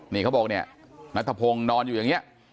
นี่เขาบอกเนี่ยนัทพงศ์นอนอยู่อย่างนี้